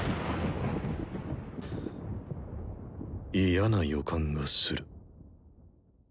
嫌な予感がする。